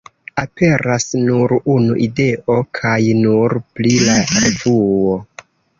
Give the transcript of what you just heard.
Aperas nur unu ideo, kaj nur pri la revuo.